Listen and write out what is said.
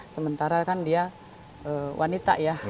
sementara kan dia wanita ya